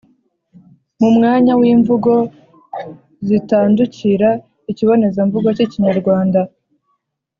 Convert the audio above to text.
mu mwanya w’imvugo zitandukira ikibonezamvugo cy’ikinyarwanda.